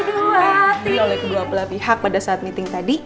diloleh kedua pula pihak pada saat meeting tadi